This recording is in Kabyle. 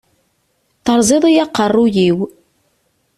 Teṛẓiḍ-iyi aqeṛṛuy-iw.